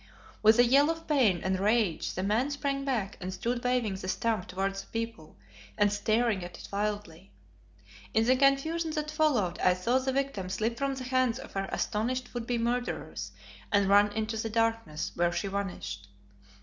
With a yell of pain and rage the man sprang back and stood waving the stump towards the people and staring at it wildly. In the confusion that followed I saw the victim slip from the hands of her astonished would be murderers and run into the darkness, where she vanished.